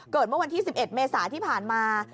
เมื่อวันที่๑๑เมษาที่ผ่านมา